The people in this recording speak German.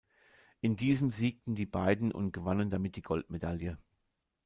In diesem siegten die beiden und gewannen damit die Goldmedaille.